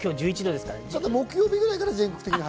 木曜日ぐらいから全国的に晴